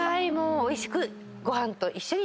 おいしくご飯と一緒に。